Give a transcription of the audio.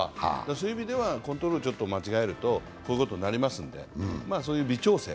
そういう意味では、コントロールをちょっと間違えるとこういうことになりますので。